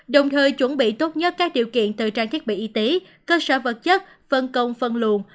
đồng thời chuẩn bị tốt nhất các điều kiện từ trang thiết bị y tế cơ sở vật chất phân công phân luồn